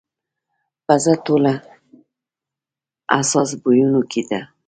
پزه ټولو حساس بویونکې ده.